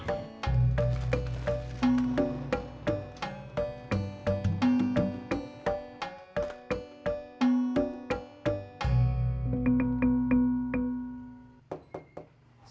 sampai jumpa lagi